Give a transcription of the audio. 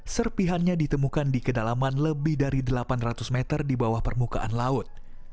serpihannya ditemukan di kedalaman lebih dari delapan ratus meter di bawah permukaan laut